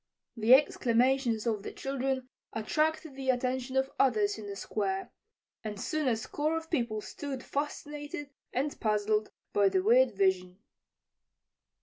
The exclamations of the children attracted the attention of others in the Square, and soon a score of people stood fascinated and puzzled by the weird vision.